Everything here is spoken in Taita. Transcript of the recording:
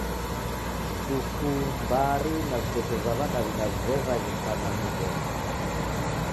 Vichuku, mbari na viteto va W'adaw'ida vew'aghika na mighondi.